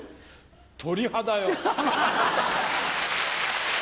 鳥肌よ！